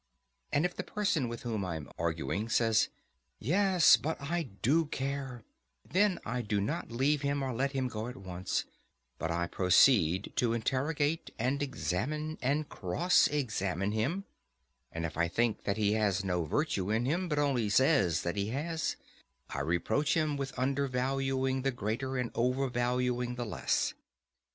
And if the person with whom I am arguing, says: Yes, but I do care; then I do not leave him or let him go at once; but I proceed to interrogate and examine and cross examine him, and if I think that he has no virtue in him, but only says that he has, I reproach him with undervaluing the greater, and overvaluing the less.